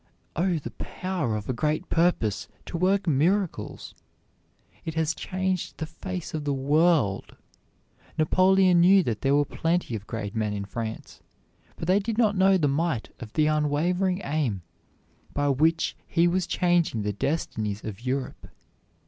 Oh, the power of a great purpose to work miracles! It has changed the face of the world. Napoleon knew that there were plenty of great men in France, but they did not know the might of the unwavering aim by which he was changing the destinies of Europe.